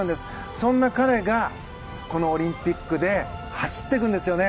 そんな彼がオリンピックで走っていくんですよね。